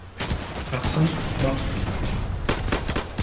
Hassan Martin